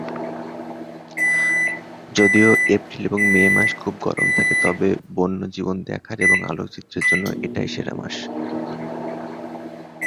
যদিও এপ্রিল এবং মে মাসে খুব গরম থাকে, তবে বন্যজীবন দেখার এবং আলোকচিত্রের জন্য এটাই সেরা মাস।